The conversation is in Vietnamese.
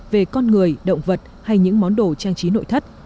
về con người động vật hay những món đồ trang trí nội thất